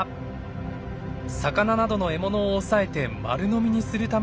魚などの獲物を押さえて丸飲みにするためだといいます。